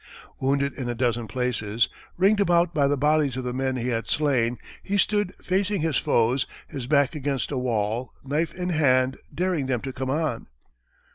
Wounded in a dozen places, ringed about by the bodies of the men he had slain, he stood facing his foes, his back against a wall, knife in hand, daring them to come on.